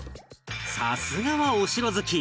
さすがはお城好き